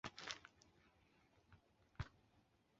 王寻被王莽封为丕进侯。